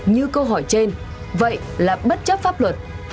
như câu hỏi trên vậy là bất chấp pháp luật